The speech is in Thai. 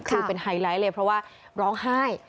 คือเป็นไฮไลท์เลยเพราะว่าร้องไห้